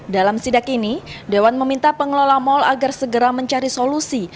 dalam sidak ini dewan meminta pengelola mal agar segera mencari solusi